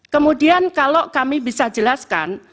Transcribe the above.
kemudian kalau kami bisa jelaskan